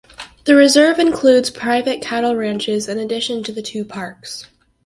The reserve includes private cattle ranches in addition to the two parks.